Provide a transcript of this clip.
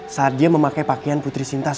saat dia memakai pakaian putri dia nge reputin